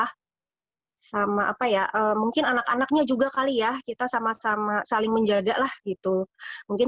hai sama apa ya mungkin anak anaknya juga kali ya kita sama sama saling menjadalah gitu mungkin